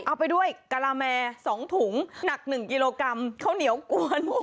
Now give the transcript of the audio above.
เอาไปด้วยกะละแม๒ถุงหนัก๑กิโลกรัมข้าวเหนียวกวน